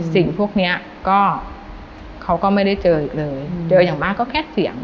สิ่งพวกเนี้ยก็เขาก็ไม่ได้เจออีกเลยเจออย่างมากก็แค่เสียง